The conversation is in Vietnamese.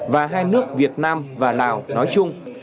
và hai nước việt nam và lào nói chung